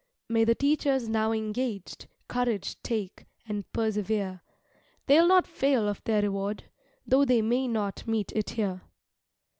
May the teachers now engaged, Courage take, and persevere; They'll not fail of their reward, Though they may not meet it here.